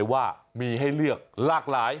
บอกเลยว่ามีให้เลือกหลากหลาย